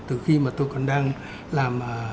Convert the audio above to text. từ khi mà tôi còn đang làm